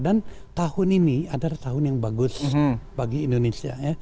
dan tahun ini adalah tahun yang bagus bagi indonesia